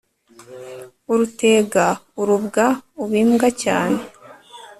urutega urubwa uba imbwa cyane